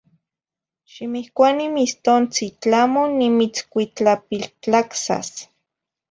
Ximihcuani mistontzin tlamo nimitzcuitlapiltlacsas